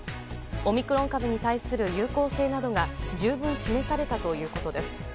オミクロン株に対する有効性などが十分示されたということです。